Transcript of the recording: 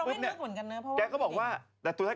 อ๋อก็ลองให้เนื้อกเหมือนกันนะเพราะว่าเป็นตัวเอง